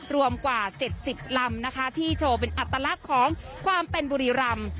รวมกว่า๗๐ลำนะคะที่โชว์เป็นอัตลักษณ์ของความเป็นบุรีรำ